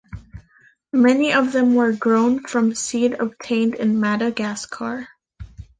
Many of them were grown from seed obtained in Madagascar.